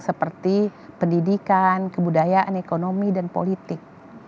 seperti pendidikan kebudayaan ekonomi dan politik